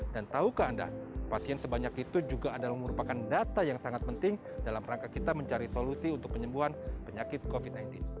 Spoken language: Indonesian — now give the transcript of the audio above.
dan tahukah anda pasien sebanyak itu juga adalah merupakan data yang sangat penting dalam rangka kita mencari solusi untuk penyembuhan penyakit covid sembilan belas